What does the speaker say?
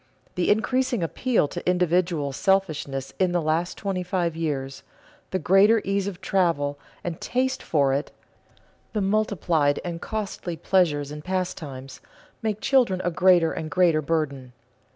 The increasing appeal to individual selfishness in the last twenty five years, the greater ease of travel and taste for it, the multiplied and costly pleasures and pastimes, make children a greater and greater burden.